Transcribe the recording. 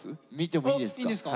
おいいんですか？